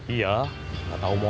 iya tidak tahu mau apa